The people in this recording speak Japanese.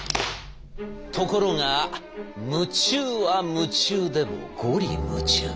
ところが夢中は夢中でも五里霧中。